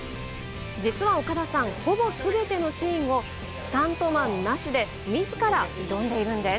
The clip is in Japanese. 実は岡田さん、ほぼすべてのシーンを、スタントマンなしで、みずから挑んでいるんです。